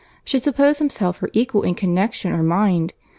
—should suppose himself her equal in connexion or mind!